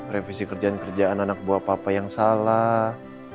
revisi kerjaan kerjaan anak buah papa yang salah